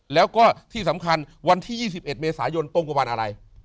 แล้วก็ที่สำคัญวันที่๒๑เมษายนตรงกับวันอะไร